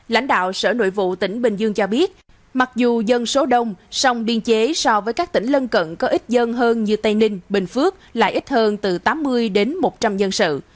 lãnh đạo sở nội vụ tỉnh bình dương cho biết mặc dù dân số đông sông biên chế so với các tỉnh lân cận có ít dân hơn như tây ninh bình phước lại ít hơn từ tám mươi đến một trăm linh dân sự